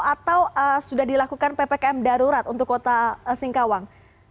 atau sudah dilakukan ppkm darurat untuk kota singkawang